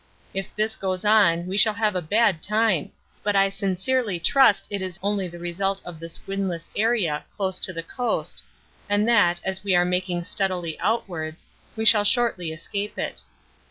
If this goes on we shall have a bad time, but I sincerely trust it is only the result of this windless area close to the coast and that, as we are making steadily outwards, we shall shortly escape it.